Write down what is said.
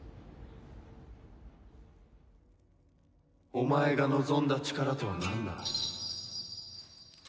お前が望んだ力とはなんだ？